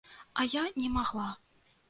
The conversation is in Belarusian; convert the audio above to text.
А я не магла.